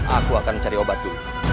aku akan mencari obat dulu